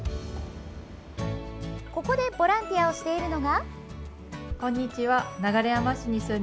ここでボランティアをしているのが。